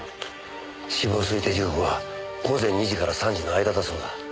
死亡推定時刻は午前２時から３時の間だそうだ。